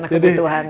ya karena kebutuhan